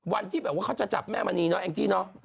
วันที่แบบว่าเขาจะจับแม่มณีเนาะแองจี้เนอะ